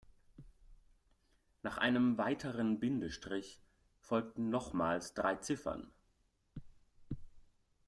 Nach einem weiteren Bindestrich folgten nochmals drei Ziffern.